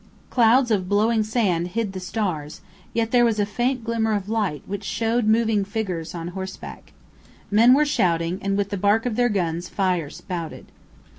Clouds of blowing sand hid the stars, yet there was a faint glimmer of light which showed moving figures on horseback. Men were shouting, and with the bark of their guns fire spouted.